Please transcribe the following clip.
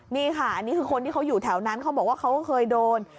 นี่ค่ะอันนี้คือคนที่เขาอยู่แถวนั้นเขาบอกว่าเขาก็เคยโดน